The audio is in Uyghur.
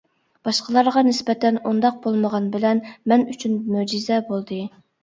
باشقىلارغا نىسبەتەن ئۇنداق بولمىغان بىلەن، مەن ئۈچۈن مۆجىزە بولدى.